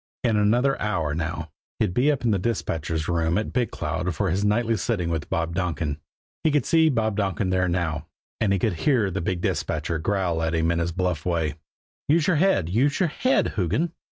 In another hour now he'd be up in the dispatcher's room at Big Cloud for his nightly sitting with Bob Donkin. He could see Bob Donkin there now; and he could hear the big dispatcher growl at him in his bluff way: "Use your head use your head _Hoogan!